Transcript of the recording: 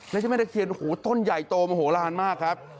แล้วแม่ตะเคียนต้นใหญ่โตมาโหลหารมากครับ